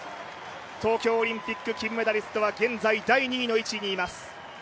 東京オリンピック金メダリストは現在第２位の位置にいます。